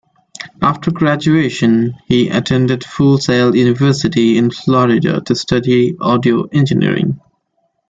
After graduation, he attended Full Sail University in Florida to study audio engineering.